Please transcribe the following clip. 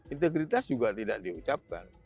integritas juga tidak diucapkan